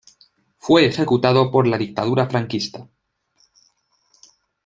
Fue ejecutado por la dictadura franquista.